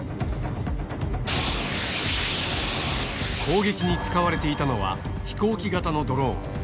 攻撃に使われていたのは、飛行機型のドローン。